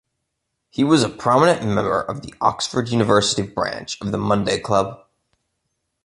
He was a prominent member of the Oxford University branch of the Monday Club.